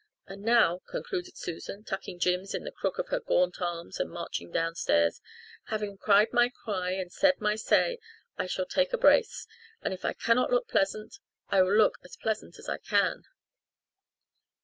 And now," concluded Susan, tucking Jims in the crook of her gaunt arms and marching downstairs, "having cried my cry and said my say I shall take a brace, and if I cannot look pleasant I will look as pleasant as I can."